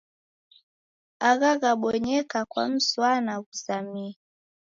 Agha ghabonyeka kwa mzwana ghuzamie.